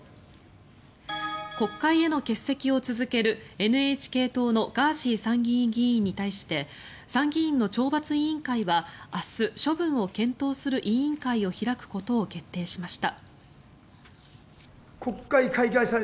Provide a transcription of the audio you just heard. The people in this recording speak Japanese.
国会への欠席を続けるＮＨＫ党のガーシー参議院議員に対して参議院の懲罰委員会は明日、処分を検討する委員会を開くことを決定しました。